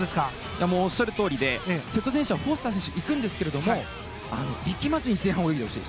おっしゃるとおりで瀬戸選手はフォスター選手行くんですけれど力まずに前半、泳いでほしい。